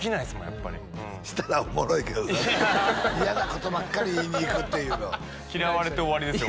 やっぱりしたらおもろいけどないや嫌なことばっかり言いに行くっていうの嫌われて終わりですよ